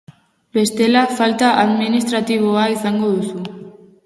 Bestela falta administratiboa izango duzu.